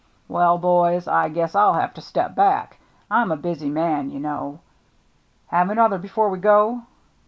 "Well, boys, I guess I'll have to step back. I'm a busy man, you know. Have another before we go?"